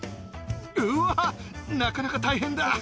うわなかなか大変だ！